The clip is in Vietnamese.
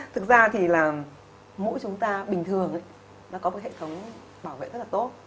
thực ra thì mũi chúng ta bình thường có hệ thống bảo vệ rất là tốt